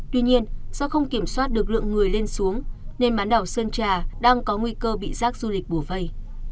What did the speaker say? tuy nhiên do không kiểm soát được lượng người lên xuống nên bán đảo sơn trà đang có nguy cơ bị rác du lịch bùa vây